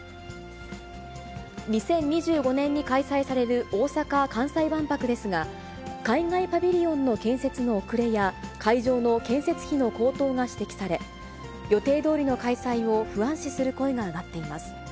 ２０２５年に開催される大阪・関西万博ですが、海外パビリオンの建設の遅れや、会場の建設費の高騰が指摘され、予定どおりの開催を不安視する声が上がっています。